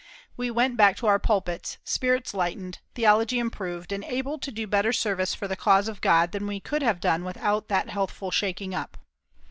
We went back to our pulpits, spirits lightened, theology improved, and able to do better service for the cause of God than we could have done without that healthful shaking up.